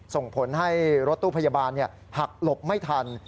ส่งผลให้รถตู้พยาบาลหักหลบไม่ทัน